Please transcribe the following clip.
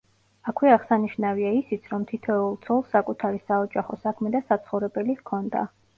აქვე აღსანიშნავია ისიც, რომ თითოეულ ცოლს საკუთარი საოჯახო საქმე და საცხოვრებელი ჰქონდა.